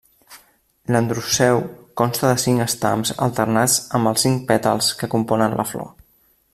L'androceu consta de cinc estams alternats amb els cinc pètals que componen la flor.